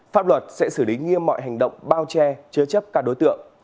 pháp luật sẽ xử lý nghiêm mọi hành động bao che chứa chấp các đối tượng